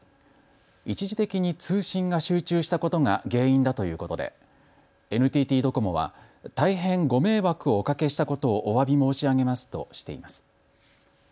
一時的に通信が集中したことが原因だということでＮＴＴドコモは大変ご迷惑をおかけしたことをおわび申し上げますとしています。